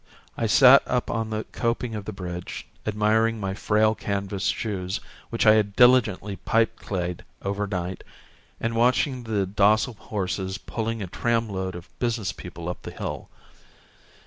I sat up on the coping of the bridge admiring my frail canvas shoes which I had diligently pipeclayed overnight and watching the docile horses pulling a tramload of business people up the hill.